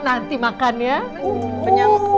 nanti makan ya